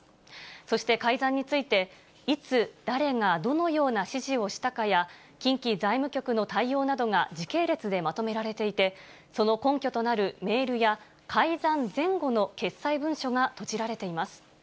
そして、改ざんについて、いつ、誰がどのような指示をしたかや、近畿財務局の対応などが時系列でまとめられていて、その根拠となるメールや改ざん前後の決裁文書がとじられています。